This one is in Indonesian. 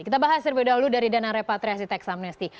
kita bahas dulu dari dana repatriasi teks amnesti